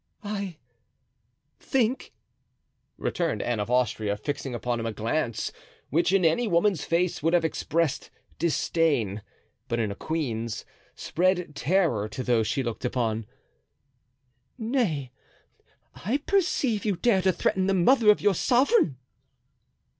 "I think," returned Anne of Austria, fixing upon him a glance, which in any woman's face would have expressed disdain, but in a queen's, spread terror to those she looked upon, "nay, I perceive you dare to threaten the mother of your sovereign."